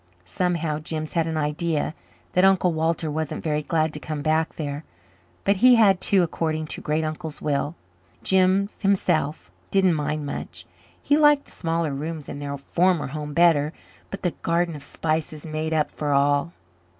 Somehow, Jims had an idea that Uncle Walter wasn't very glad to come back there. But he had to, according to great uncle's will. Jims himself didn't mind much. He liked the smaller rooms in their former home better, but the Garden of Spices made up for all.